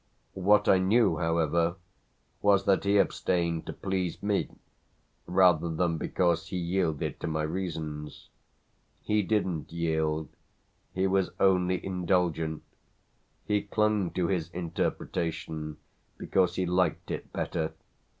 What I knew however was that he abstained to please me rather than because he yielded to my reasons. He didn't yield he was only indulgent; he clung to his interpretation because he liked it better.